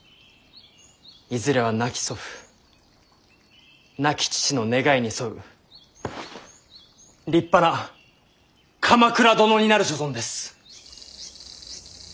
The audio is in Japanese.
いずれは亡き祖父亡き父の願いに沿う立派な鎌倉殿になる所存です。